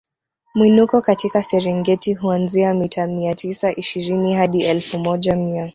Mwinuko katika Serengeti huanzia mita mia tisa ishirini hadi elfu moja mia